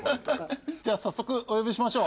じゃ早速お呼びしましょう。